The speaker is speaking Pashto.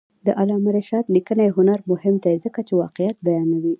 د علامه رشاد لیکنی هنر مهم دی ځکه چې واقعیت بیانوي.